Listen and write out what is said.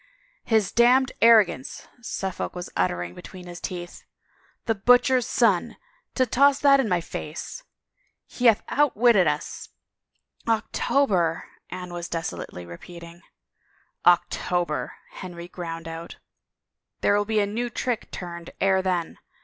" His damned arrogance !" Suffolk was uttering be tween his teeth. " The butcher's son — to toss that in my face! He hath outwitted us —" 194 THE LAW'S DELAYS October," Anne was desolately repeating. *' October!" Henry ground out. "There will be a new trick turned ere then.